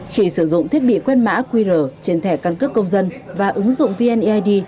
khi sử dụng thiết bị quen mã qr trên thẻ căn cứ công dân và ứng dụng vneid